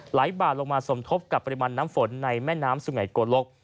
บาดลงมาสมทบกับปริมาณน้ำฝนในแม่น้ำสุไงโกลก